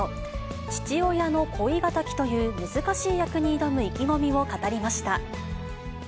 父親の恋敵という難しい役に挑む意気込みを語りました。